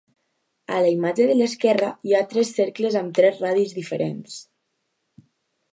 A la imatge de l'esquerra hi ha tres cercles amb tres radis diferents.